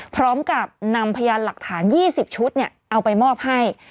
พร้อมกับนำพยานหลักฐาน๒๐ชุดเอาไปมอบให้